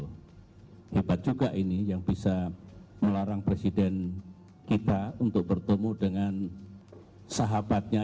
hebat juga ini yang bisa melarang presiden kita untuk bertemu dengan sahabatnya